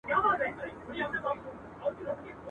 نه استاد وي نه منطق نه هندسه وي !.